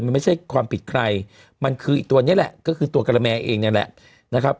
มันไม่ใช่ความผิดใครมันคืออีกตัวนี้แหละก็คือตัวกะละแมเองเนี่ยแหละนะครับ